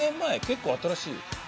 結構新しい。